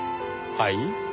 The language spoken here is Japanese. はい？